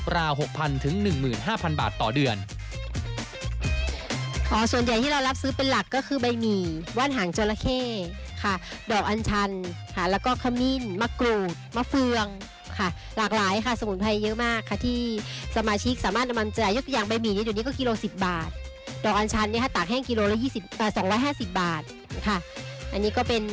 ราว๖๐๐๑๕๐๐บาทต่อเดือน